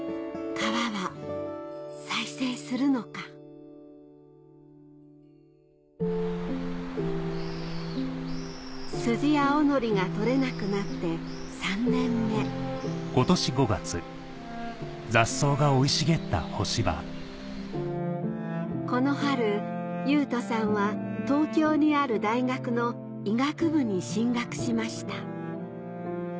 川は再生するのかスジアオノリが採れなくなって３年目この春雄翔さんは東京にある大学の医学部に進学しました